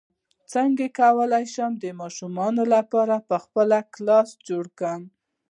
څنګه کولی شم د ماشومانو لپاره د پخلی کلاس جوړ کړم